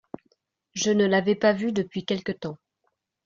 Je ne l'avais pas vu depuis quelque temps.